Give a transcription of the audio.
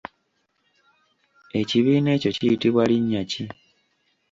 Ekibiina ekyo kiyitibwa linnya ki?